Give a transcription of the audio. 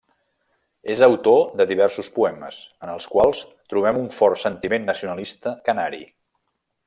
És autor de diversos poemes, en els quals trobem un fort sentiment nacionalista canari.